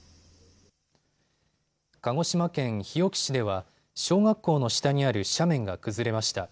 鹿児島県日置市では小学校の下にある斜面が崩れました。